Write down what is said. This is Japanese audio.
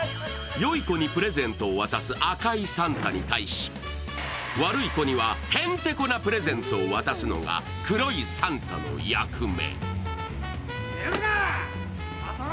良い子にプレゼントを渡す赤いサンタに対し、悪い子には、へんてこなプレゼントを渡すのが黒いサンタの役目。